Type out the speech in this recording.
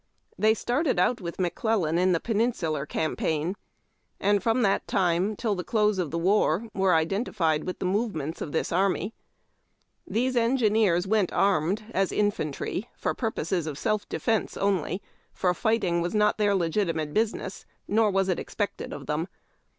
They started out with McClellan in the Peninsular Cam paign, and from that time till the close of the war were identified with the movements of this army. These engi neers went armed as infantry for purposes of self defence only, for fighting was not their legitimate business, nor was it expected of them.